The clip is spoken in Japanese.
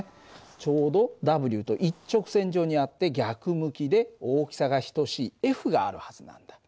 ちょうどＷと一直線上にあって逆向きで大きさが等しいＦがあるはずなんだ。